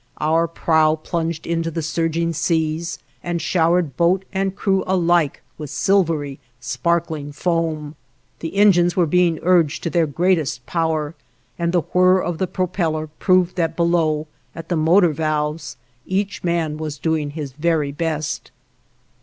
Our prow plunged into the surging seas, and showered boat and crew alike with silvery, sparkling foam. The engines were being urged to their greatest power, and the whir of the propeller proved that below, at the motor valves, each man was doing his very best.